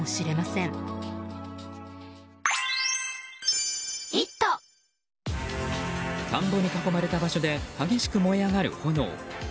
田んぼに囲まれた場所で激しく燃え上がる炎。